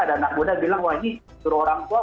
ada anak muda bilang wah ini suruh orang tua